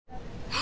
あ！